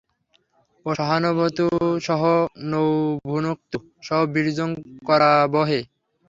ওঁ সহনাববতু সহ নৌ ভুনক্তু সহ বীর্যং করবাবহৈ।